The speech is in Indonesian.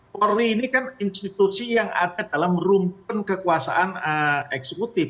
polri ini kan institusi yang ada dalam rumpun kekuasaan eksekutif